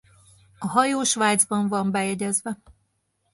A hajó Svájcban van bejegyezve.